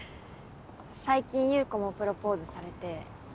最近優子もプロポーズされて。